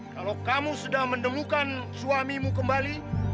kalau kamu sudah menemukan suamimu kembali